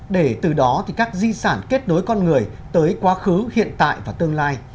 để từ đó thì các di sản kết nối con người tới quá khứ hiện tại và tương lai